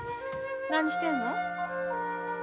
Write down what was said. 何してんの？